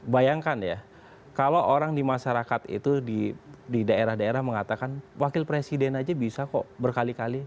bayangkan ya kalau orang di masyarakat itu di daerah daerah mengatakan wakil presiden aja bisa kok berkali kali